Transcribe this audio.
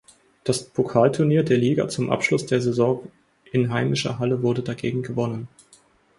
Das Pokalturnier der Liga zum Abschluss der Saison in heimischer Halle wurde dagegen gewonnen.